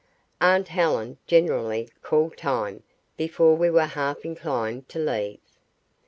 Aunt Helen generally called time before we were half inclined to leave.